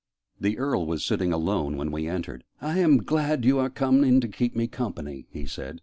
The Earl was sitting alone when we entered. "I am glad you are come in to keep me company," he said.